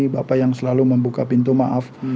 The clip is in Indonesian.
bapak yang selalu membuka pintu maaf